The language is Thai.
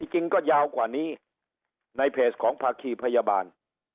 จริงก็ยาวกว่านี้ในเพจของภาคีพยาบาล